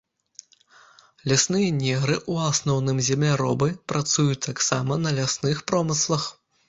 Лясныя негры ў асноўным земляробы, працуюць таксама на лясных промыслах.